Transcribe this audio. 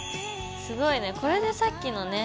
すごいねこれでさっきのね